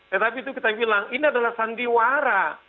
tetapi itu kita bilang ini adalah sandiwara